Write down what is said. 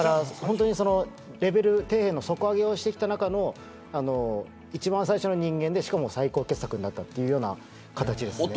なので、底辺の底上げをしてきた中の一番最初の人間で、しかも最高傑作になったという形です。